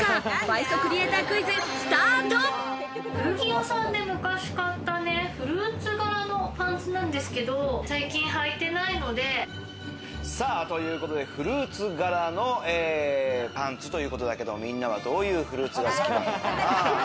倍速古着屋さんで昔買ったフルーツ柄のパンツなんですけど、最近履いてないので。ということで、フルーツ柄のパンツということだけど、みんなはどういうフルーツが好きなのかなぁ。